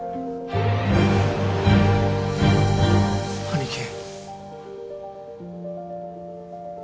兄貴。